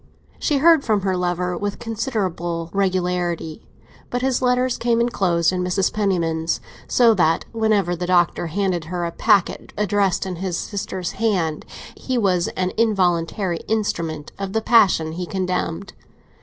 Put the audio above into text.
She heard from her lover with considerable regularity, but his letters came enclosed in Mrs. Penniman's; so that whenever the Doctor handed her a packet addressed in his sister's hand, he was an involuntary instrument of the passion he condemned.